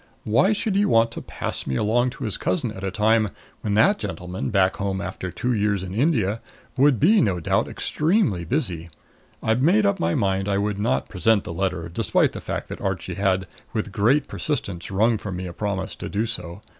Why should he want to pass me along to his cousin at a time when that gentleman, back home after two years in India, would be, no doubt, extremely busy? I made up my mind I would not present the letter, despite the fact that Archie had with great persistence wrung from me a promise to do so.